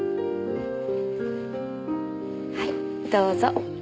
はいどうぞ。